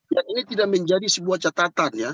yang ini tidak menjadi sebuah catatan ya